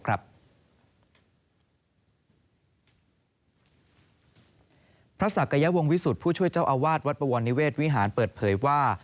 ศักยวงวิสุทธิ์ผู้ช่วยเจ้าอาวาสวัดบวรนิเวศวิหารเปิดเผยว่า